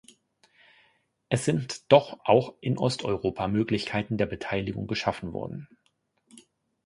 Es sind doch auch in Osteuropa Möglichkeiten der Beteiligung geschaffen worden.